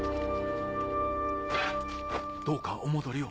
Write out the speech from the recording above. どうかお戻りを。